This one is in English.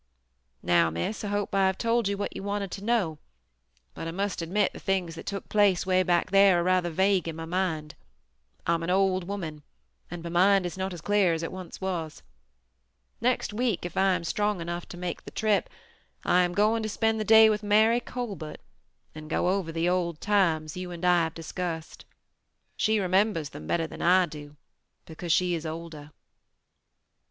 "Now, Miss, I hope I have told you what you wanted to know, but I must admit the things that took place way back there are rather vague in my mind. I'm an old woman and my mind is not as clear as it once was. Next week, if I am strong enough to make the trip, I am going to spend the day with Mary Colbert, and go over the old times you and I have discussed. She remembers them better than I do, because she is older."